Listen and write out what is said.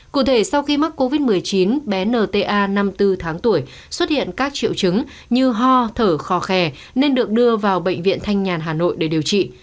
cụ thể sau khi mắc covid một mươi chín bé nta năm mươi bốn tháng tuổi xuất hiện các triệu chứng như ho thở khò khè nên được đưa vào bệnh viện thanh nhàn hà nội để điều trị